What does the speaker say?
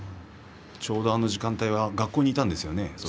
ちょうど、あの時間帯は学校にいたんですよね。